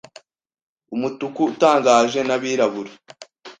umutuku utangaje nabirabura